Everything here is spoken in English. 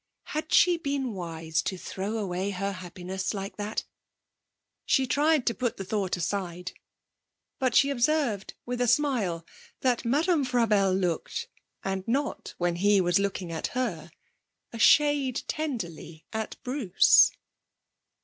Had she been wise to throw away her happiness like that? She tried to put the thought aside, but she observed, with a smile, that Madame Frabelle looked and not when he was looking at her a shade tenderly at Bruce.